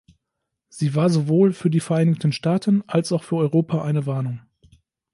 Sie war sowohl für die Vereinigten Staaten als auch für Europa eine Warnung.